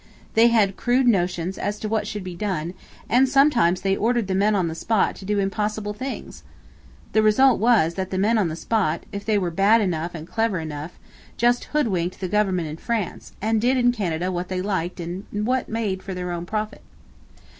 They had crude notions as to what should be done, and sometimes they ordered the men on the spot to do impossible things. The result was that the men on the spot, if they were bad enough and clever enough, just hoodwinked the government in France, and did in Canada what they liked and what made for their own profit.